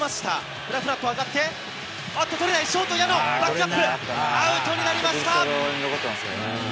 ふらふらと上がって、あっと捕れない、ショート、矢野。バックアップ、アウトになりました。